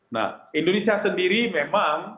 nah indonesia sendiri memang